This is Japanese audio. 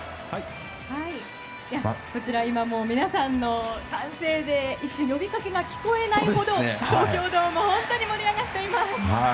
こちら今、皆さんの歓声で一瞬、呼びかけが聞こえないほど東京ドームは盛り上がっています。